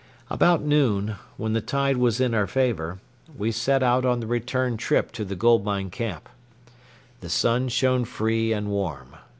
About noon, when the tide was in our favor, we set out on the return trip to the gold mine camp. The sun shone free and warm.